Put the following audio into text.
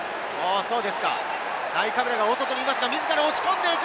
ナイカブラが大外にいますが、自ら押し込んでいく。